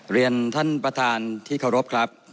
เรียนท่านประธานที่เคารพครับ